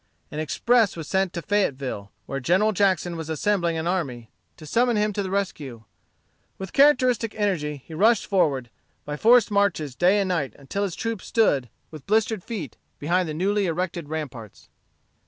An express was sent to Fayetteville, where General Jackson was assembling an army, to summon him to the rescue. With characteristic energy he rushed forward, by forced marches day and night, until his troops stood, with blistered feet, behind the newly erected ramparts.